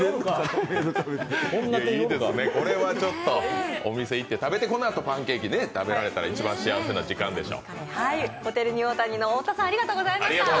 これはちょっとお店に行って食べて、それでパンケーキ食べられたら一番幸せな時間でしょ。